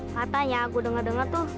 katanya aku dengar dengar tuh